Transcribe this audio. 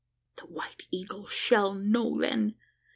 "The White Eagle shall know then.